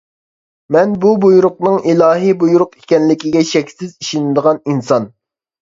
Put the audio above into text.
مەن بۇ بۇيرۇقنىڭ ئىلاھىي بۇيرۇق ئىكەنلىكىگە شەكسىز ئىشىنىدىغان ئىنسان.